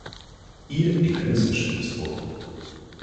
Hier liegt ein Missverständnis vor.